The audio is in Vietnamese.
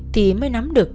thì mới nắm được